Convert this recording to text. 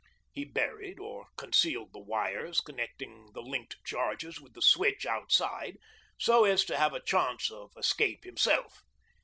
He buried or concealed the wires connecting the linked charges with the switch outside so as to have a chance of escape himself.